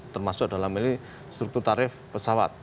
termasuk dalam ini struktur tarif pesawat